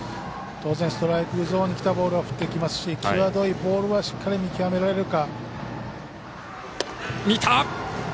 当然、ストライクゾーンにきたボールは振っていきますし際どいボールはしっかり見極められるか。